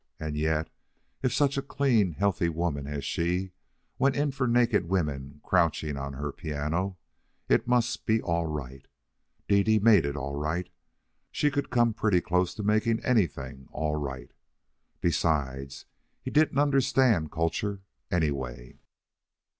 And yet, if such a clean, healthy woman as she went in for naked women crouching on her piano, it must be all right. Dede made it all right. She could come pretty close to making anything all right. Besides, he didn't understand culture anyway.